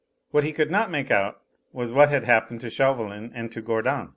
What he could not make out was what had happened to Chauvelin and to Gourdon.